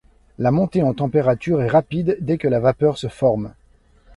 La montée en température est rapide dès que la vapeur se forme.